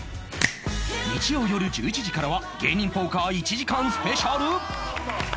日曜よる１１時からは芸人ポーカー１時間スペシャル